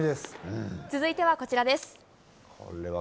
続いては、こちらです。